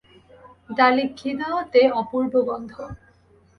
ডালে ঘি দেওয়াতে অপূর্ব গন্ধ।